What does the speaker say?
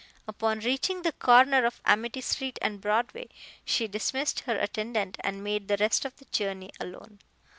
Upon reaching the corner of Amity street and Broadway, she dismissed her attendant and made the rest of the journey alone.